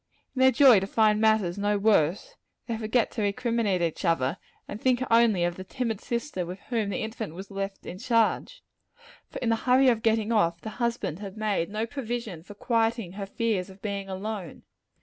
In their joy to find matters no worse, they forget to recriminate each other, and think only of the timid sister with whom the infant was left in charge: for in the hurry of getting off, the husband had made no provision for quieting her fears of being alone.